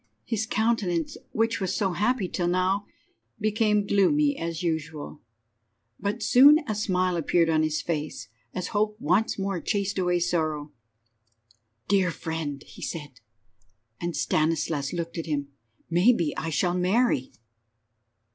His countenance, which was so happy till now, became gloomy as usual; but soon a smile appeared on his face, as hope once more chased away sorrow. "Dear friend!" said he, and Stanislas looked at him, "maybe I shall marry."